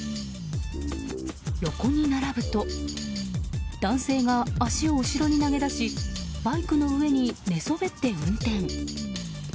横に並ぶと男性が足を後ろに投げ出しバイクの上に寝そべって運転。